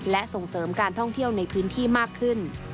และส่งเสริมการท่องเที่ยวในพื้นที่มากขึ้น